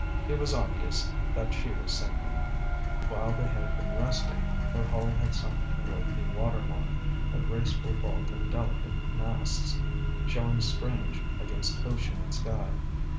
It was obvious that she was sinking. While they had been resting, her hull had sunk toward the water line, her graceful bulk and delicate masts showing strange against ocean and sky.